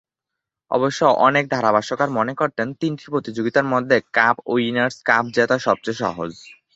অবশ্য অনেক ধারাভাষ্যকার মনে করতেন তিনটি প্রতিযোগিতার মধ্যে কাপ উইনার্স কাপ জেতা সবচেয়ে সহজ।